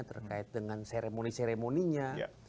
terkait dengan seremoni seremoninya